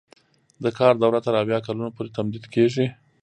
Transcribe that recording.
د کار دوره تر اویا کلونو پورې تمدید کیږي.